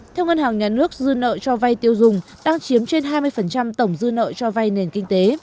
theo ngân hàng nhà nước dư nợ cho vay tiêu dùng đang chiếm trên hai mươi tổng dư nợ cho vay nền kinh tế